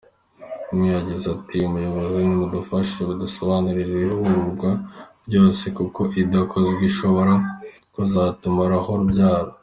Umwe yagize ati “ Ubuyobozi nibudufashe budusanire iyi ruhurura rwose, kuko idakozwe ishobora kuzatumaraho urubyaro.